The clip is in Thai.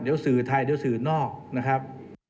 เดี๋ยวสื่อไทยเดี๋ยวสื่อนอกนะครับ